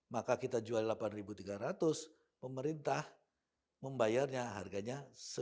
maka kita jual rp delapan tiga ratus pemerintah membayarnya harganya seratus